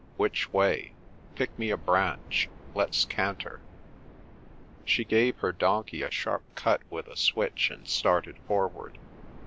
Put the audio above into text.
"Which way? Pick me a branch. Let's canter." She gave her donkey a sharp cut with a switch and started forward.